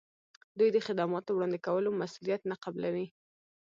دوی د خدماتو وړاندې کولو مسولیت نه قبلوي.